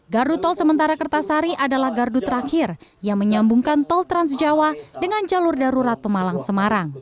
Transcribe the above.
gardu tol sementara kertasari adalah gardu terakhir yang menyambungkan tol transjawa dengan jalur darurat pemalang semarang